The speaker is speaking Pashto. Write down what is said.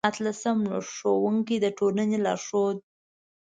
اتلسم لوست: ښوونکی د ټولنې لارښود